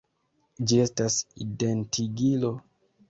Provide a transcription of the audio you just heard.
Ĝi estas identigilo.